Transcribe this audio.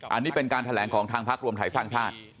อันนี้เป็นการแถลงของทางพักรวมไทยสร้างชาติ